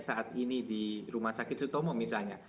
saat ini di rumah sakit sutomo misalnya